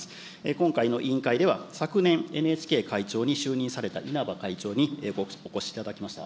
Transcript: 今回の委員会では、昨年ＮＨＫ会長に就任された稲葉会長にお越しいただきました。